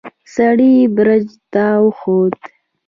سړی برج ته وخوت.